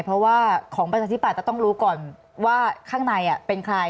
เพราะว่าของประชาธิปัตยจะต้องรู้ก่อนว่าข้างในเป็นใคร